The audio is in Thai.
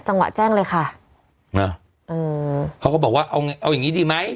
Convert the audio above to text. จังหวะแจ้งเลยค่ะนะเออเขาก็บอกว่าเอาไงเอาอย่างงี้ดีไหม